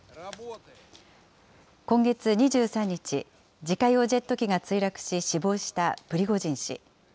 今月２３日、自家用ジェット機が墜落し、死亡したプリゴジン氏。